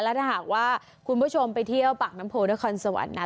แล้วถ้าหากว่าคุณผู้ชมไปเที่ยวปากน้ำโพลด้วยคอนสวรรค์นะ